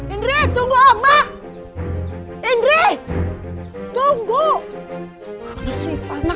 indri tunggu amma indri tunggu